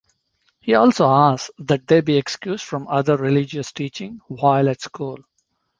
He also asked that they be excused from other religious teaching while at school.